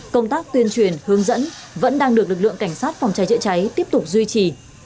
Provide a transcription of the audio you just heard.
công tác tuyên truyền hướng dẫn vẫn đang được lực lượng cảnh sát phòng cháy chữa cháy tiếp tục duy trì